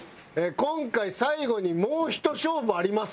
今回最後にもうひと勝負あります。